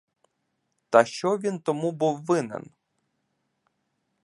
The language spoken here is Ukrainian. Та що він тому був винен?